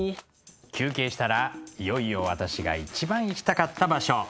休憩したらいよいよ私が一番行きたかった場所